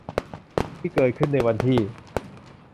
ที่เกิดขึ้นในวันที่